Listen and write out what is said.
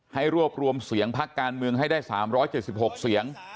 ให้รวบรวมเสียงพักการเมืองให้ได้๓๗๖เสียง